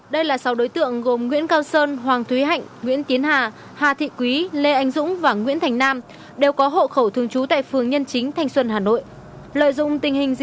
đây là sáu đối tượng gồm nguyễn cao sơn hoàng thúy hạnh nguyễn tiến hà hà thị quý lê anh dũng và nguyễn thành nam đều có hộ khẩu thường trú tại phường nhân chính thành xuân hà nội